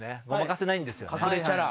隠れチャラ？